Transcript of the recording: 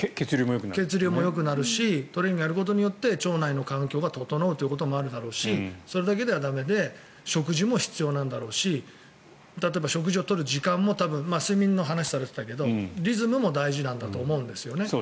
血流もよくなるしトレーニングをやることによって腸内環境が整うこともあるだろうしそれだけでは駄目で食事も必要なんだろうし例えば食事を取る時間も睡眠の話をされてたけどリズムも大事なんだと思うんですよね。